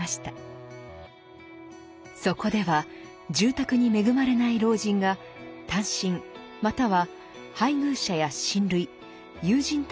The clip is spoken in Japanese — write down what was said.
そこでは住宅に恵まれない老人が単身または配偶者や親類友人たちと同居。